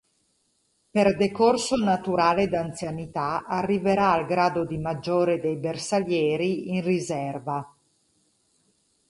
Per decorso naturale d'anzianità, arriverà al grado di maggiore dei Bersaglieri in riserva.